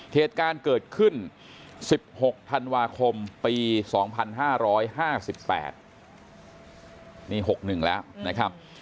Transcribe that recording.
เทศกาลเกิดขึ้น๑๖ธันวาคมปี๒๕๕๘นี่๖หนึ่งแล้วนะครับ